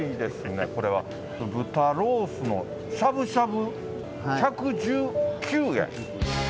豚ロースのしゃぶしゃぶ、１１９円。